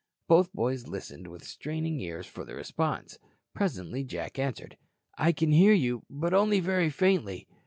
Both boys listened with straining ears for the response. Presently Jack answered: "I can hear you, but only very faintly.